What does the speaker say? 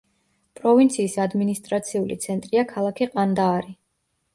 პროვინციის ადმინისტრაციული ცენტრია ქალაქი ყანდაარი.